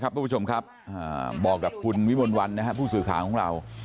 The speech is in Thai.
ทุกผู้ชมครับบอกกับคุณวิมลวันผู้สื่อข่าวของเรา